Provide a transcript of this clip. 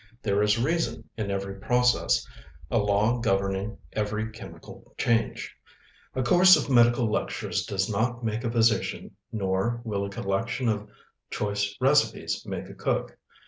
There is reason in every process; a law governing every chemical change. A course of medical lectures does not make a physician, nor will a collection of choice recipes make a cook.